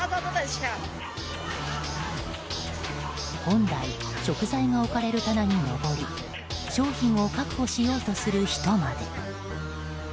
本来食材が置かれる棚に上り商品を確保しようとする人まで。